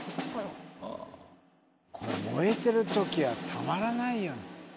これ燃えてる時はたまらないよね。